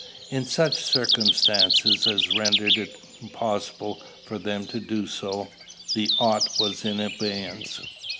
In such circumstances as rendered it impossible for them to do so, the ought was in abeyance.